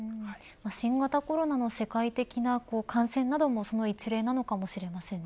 新型コロナの世界的な感染などもその一例なのかもしれませんね。